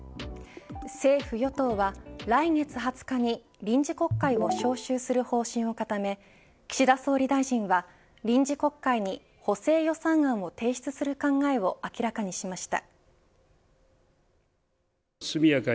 政府・与党は、来月２０日に臨時国会を召集する方針を固め岸田総理大臣は、臨時国会に補正予算案を提出する考えを明らかにしました。